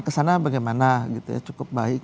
ke sana bagaimana gitu ya cukup baik